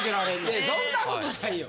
いやそんなことないよ。